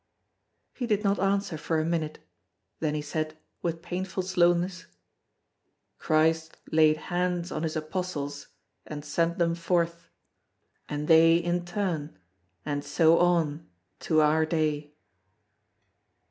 He did not answer for a minute; then he said, with painful slowness: "Christ laid hands on his apostles and sent them forth; and they in turn, and so on, to our day."